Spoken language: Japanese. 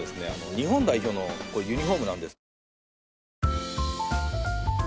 日本代表のユニホームなんです。